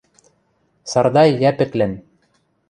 Сардай Йӓпӹклӓн.